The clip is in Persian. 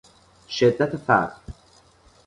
شدت فقر